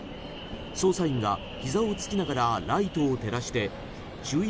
捜査員がひざをつきながらライトを照らして注意